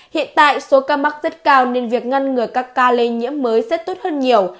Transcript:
hiện tại số ca mắc rất cao nên việc ngăn ngừa các ca lây nhiễm mới sẽ tốt hơn nhiều